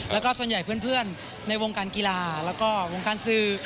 แล้วก็ส่วนใหญ่เพื่อนในวงการกีฬาแล้วก็วงการสื่อ